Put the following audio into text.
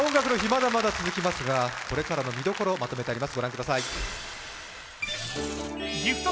まだまだ続きますが、これからの見どころをまとめてあります。